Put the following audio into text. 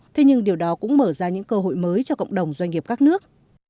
thế nhưng điều đó cũng mở ra những cơ hội mới cho cộng đồng doanh nghiệp các nước